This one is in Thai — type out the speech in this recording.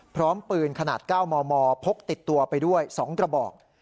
พร้อมปืนขนาด๙มมพกติดตัวไปด้วย๒กระบอก